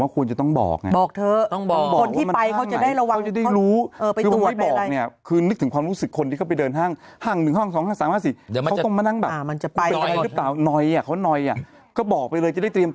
ก็ไม่เข้าใจทำไมบอกไม่ได้